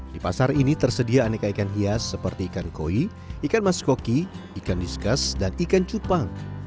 di pasar ini tersedia aneka ikan hias seperti ikan koi ikan maskoki ikan diskas dan ikan cupang